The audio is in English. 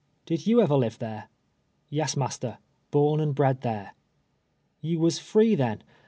" Did you ever live there ?"" Yes, master — born and bred there." " You was free, then.